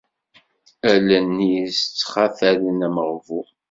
Allen-is ttxatalent ameɣbun.